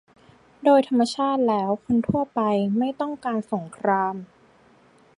โดยธรรมชาติแล้วคนทั่วไปไม่ต้องการสงคราม